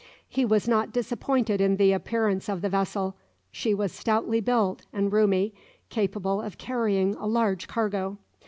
He was not disappointed in the appearance of the vessel. She was stoutly built, and roomy, capable of carrying a large cargo.